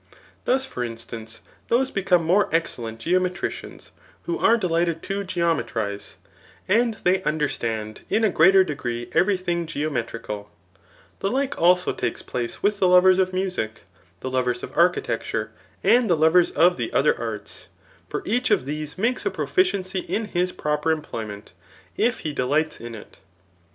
Thus, for instance^ those become [more excellent3 geometridans, who are delighted to gctane trize, and they understand in a greater degree every thiag geometricaL The like also takes place with the lovers of music, the lovers of architecture, and the lovers of the other arts ; for each of these niakes a proficiency in his proper employment, if he deb'ghts in it.